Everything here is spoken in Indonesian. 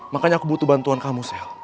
makanya aku butuh bantuan kamu sehat